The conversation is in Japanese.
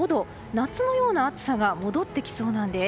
夏のような暑さが戻ってきそうなんです。